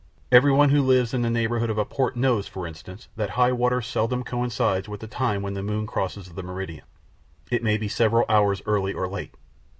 Everyone who lives in the neighbourhood of a port knows, for instance, that high water seldom coincides with the time when the moon crosses the meridian. It may be several hours early or late.